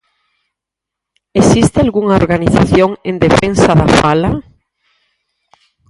Existe algunha organización en defensa da fala?